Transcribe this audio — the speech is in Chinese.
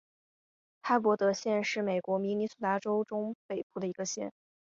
哈伯德县是美国明尼苏达州中北部的一个县。